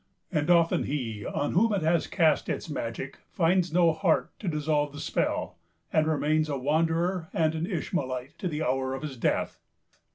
And often he on whom it has cast its magic finds no heart to dissolve the spell, and remains a wanderer and an Ishmaelite to the hour of his death.